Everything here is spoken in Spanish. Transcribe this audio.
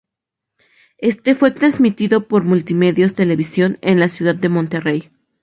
Este fue transmitido por Multimedios Televisión, en la ciudad de Monterrey.